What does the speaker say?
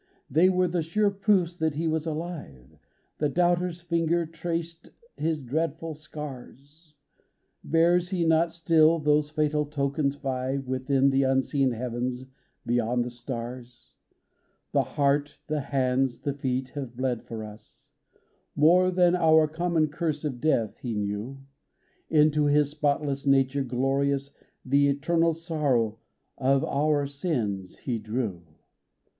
They were the sure proofs that He was alive : The doubter's finger traced His dreadful scars : Bears He not still those fatal tokens five Within the unseen heavens beyond the stars ? (22) THE LAMB THAT WAS SLAIN 2$ The heart, the hands, the feet, have bled for us ; More than our common curse of death He knew: Into His spotless nature glorious The eternal sorrow of our sins He drew.